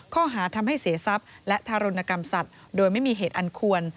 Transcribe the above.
ข้อหาทำให้เสียทรัพย์และทารุณกรรมสัตว์โดยไม่มีเหตุอันควร